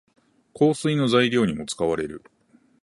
香水の材料にも使われる。